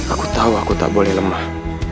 aku tahu aku tak boleh lemah